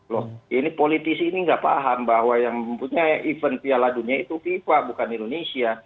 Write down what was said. loh ini politisi ini nggak paham bahwa yang mempunyai event piala dunia itu fifa bukan indonesia